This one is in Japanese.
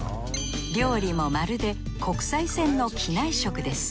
料理もまるで国際線の機内食です。